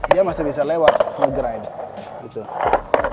kalau dia nonjol itu bisa lewat full grind kalau dia nonjol itu bisa lewat full grind